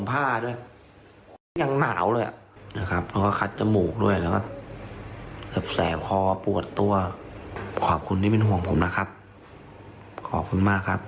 ผมเชื่ออย่างนั้น